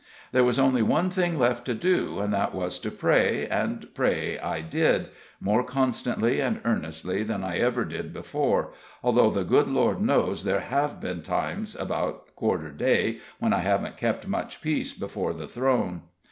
There was only one thing left to do, and that was to pray, and pray I did, more constantly and earnestly than I ever did before, although, the good Lord knows there have been times, about quarter day, when I haven't kept much peace before the Throne.